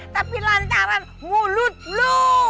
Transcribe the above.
tapi lantaran mulut lu